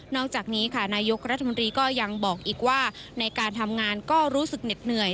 อกจากนี้ค่ะนายกรัฐมนตรีก็ยังบอกอีกว่าในการทำงานก็รู้สึกเหน็ดเหนื่อย